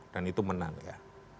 dan itu menang ya